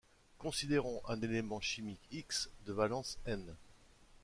Considérons un élément chimique X de valence n.